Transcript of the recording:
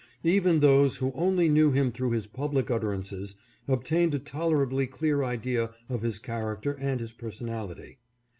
Even those who only knew him through his public utterances obtained a tolerably clear idea of his character and his personality.